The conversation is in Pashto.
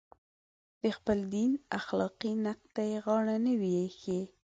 د خپل دین اخلاقي نقد ته یې غاړه نه وي ایښې.